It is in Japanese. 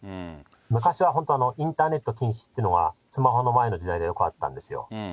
昔は本当、インターネット禁止っていうのが、スマホの前の時代でよくあったんですよ。